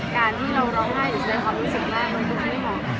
การที่เราร้องไห้หรือก็แน่นออคลิกรู้ตัวไม่เหมาะ